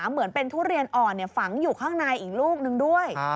เหมือนเป็นทุเรียนอ่อนฝังอยู่ข้างในอีกลูกนึงด้วย